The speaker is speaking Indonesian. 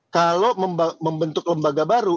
kalau membentuk lembaga baru